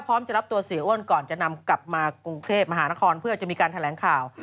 พร้อมจะรับตัวเสียอ้วนก่อนจะนำกลับมากรุงเทพมหานครเพื่อจะมีการแถลงข่าว